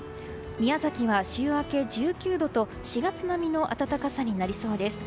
宮崎は、週明け１９度と４月並みの暖かさになりそうです。